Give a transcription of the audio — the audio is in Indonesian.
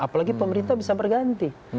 apalagi pemerintah bisa berganti